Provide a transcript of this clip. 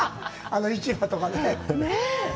あの市場とかね。